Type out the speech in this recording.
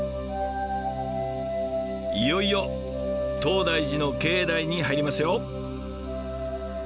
いよいよ東大寺の境内に入りますよ。